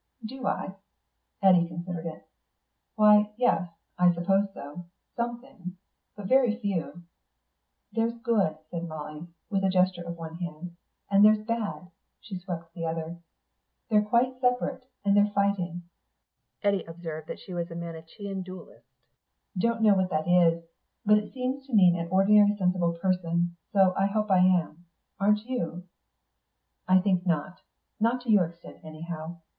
"Do I?" Eddy considered it. "Why, yes, I suppose so; some things. But very few." "There's good," said Molly, with a gesture of one hand, "and there's bad...." she swept the other. "They're quite separate, and they're fighting." Eddy observed that she was a Manichean Dualist. "Don't know what that is. But it seems to mean an ordinary sensible person, so I hope I am. Aren't you?" "I think not. Not to your extent, anyhow.